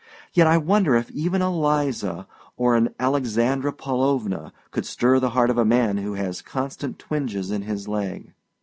Yet I wonder if even a Liza or an Alexandra Paulovna could stir the heart of a man who has constant twinges in his leg.